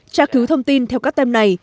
trác thứ thông tin theo các tem này